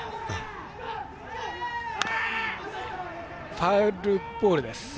ファウルボールです。